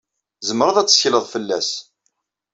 Tzemred ad tettekled fell-as.